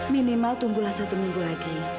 minimal tunggulah satu minggu lagi